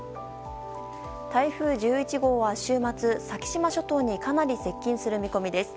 台風１１号は週末、先島諸島にかなり接近する見込みです。